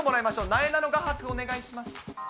なえなの画伯、お願いします。